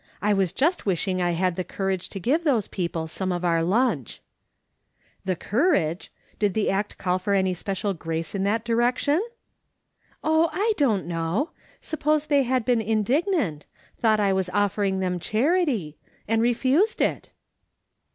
I was just wishing I had the courage to give those people some of our lunch.'' " The courage ! Did the act call for any special grace in that direction ?" 70 MRS. SOLOMON SMITH LOOKING ON. "Oh, I don't know. Suppose they had beeu indignant — thou^dit I was ofleniiLj them charity— and refused it